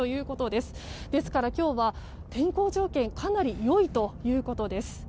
ですから、今日は天候条件かなり良いということです。